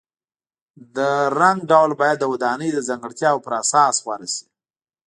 د رنګ ډول باید د ودانۍ د ځانګړتیاو پر اساس غوره شي.